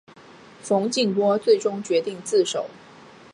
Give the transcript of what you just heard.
冯静波最终决定自首。